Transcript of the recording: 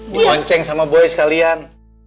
di konceng sama boy sekalian